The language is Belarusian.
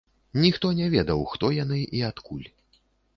Ніхто не ведаў хто яны і адкуль.